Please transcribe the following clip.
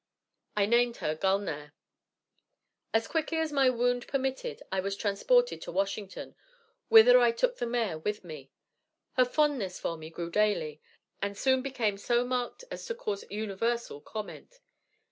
I named her Gulnare. "As quickly as my wound permitted, I was transported to Washington, whither I took the mare with me. Her fondness for me grew daily, and soon became so marked as to cause universal comment.